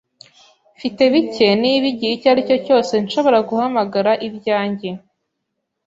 Mfite bike, niba igihe icyo ari cyo cyose nshobora guhamagara ibyanjye.